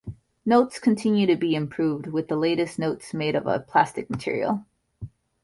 Notes continue to be improved, with the latest notes made of a plastic material.